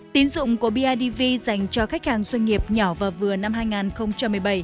tín dụng của bidv dành cho khách hàng doanh nghiệp nhỏ và vừa năm hai nghìn một mươi bảy